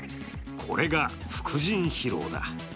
これが副腎疲労だ。